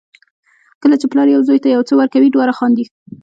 کله چې پلار یو زوی ته یو څه ورکوي دواړه خاندي.